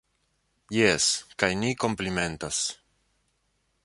Jes, kaj ni komplimentas.